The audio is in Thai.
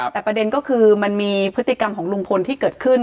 แต่ประเด็นก็คือมันมีพฤติกรรมของลุงพลที่เกิดขึ้น